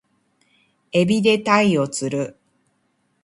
海老で鯛を釣る